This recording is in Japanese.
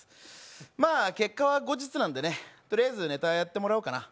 まあ、結果は後日なんでね、とりあえずネタ、やってもらおうかな。